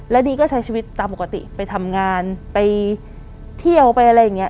แล้วดีก็ใช้ชีวิตตามปกติไปทำงานไปเที่ยวไปอะไรอย่างนี้